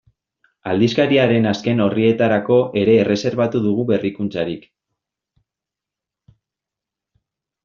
Aldizkariaren azken orrietarako ere erreserbatu dugu berrikuntzarik.